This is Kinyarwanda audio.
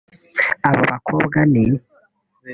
Abo bakobwa ni